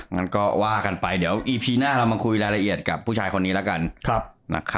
งั้นก็ว่ากันไปเดี๋ยวอีพีหน้าเรามาคุยรายละเอียดกับผู้ชายคนนี้แล้วกัน